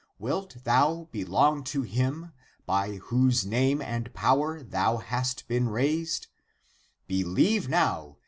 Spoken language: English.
Wilt thou belong to Him by whose name and power thou hast been raised